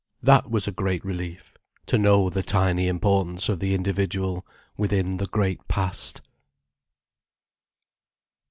That was a great relief, to know the tiny importance of the individual, within the great past.